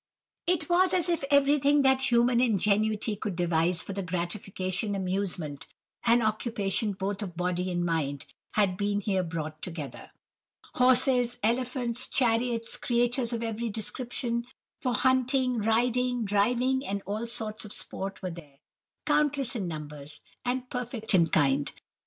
"It was as if everything that human ingenuity could devise for the gratification, amusement, and occupation both of body and mind had been here brought together. Horses, elephants, chariots, creatures of every description, for hunting, riding, driving, and all sorts of sport were there, countless in numbers, and perfect in kind.